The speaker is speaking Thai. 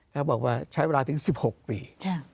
แล้วบอกว่าใช้เวลาถึง๑๖ปี